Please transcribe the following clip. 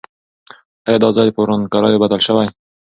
آیا دا ځای په ورانکاریو بدل سوی؟